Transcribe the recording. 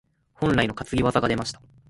本来の担ぎ技が出ました。